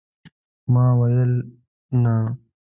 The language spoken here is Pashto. ما ويل ، نه !